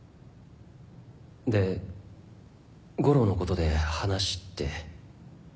で悟郎のことで話って？